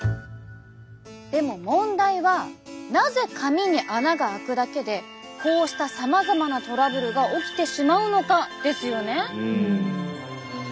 でも問題はなぜ髪に穴があくだけでこうしたさまざまなトラブルが起きてしまうのか？ですよね。